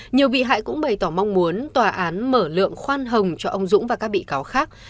nhiều bị hại cũng bày tỏ mong muốn tòa án mở lượng khoan hồng cho ông dũng và các bị cáo khác